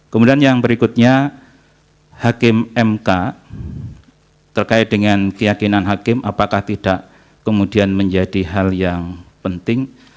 kemudian yang berikutnya hakim mk terkait dengan keyakinan hakim apakah tidak kemudian menjadi hal yang penting